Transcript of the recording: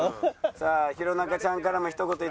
さあ弘中ちゃんからもひと言頂きましょう。